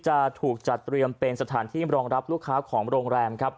จะถูกจัดเตรียมเป็นสถานที่รองรับลูกค้าของโรงแรมครับ